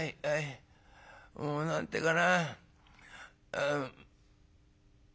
もう何て言うかな」。